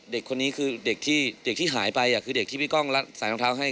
เด็กคนนี้คือเด็กที่หายไปคือเด็กที่พี่กล้องสายรองเท้าให้